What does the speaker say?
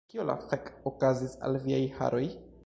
Kio la fek' okazis al viaj haroj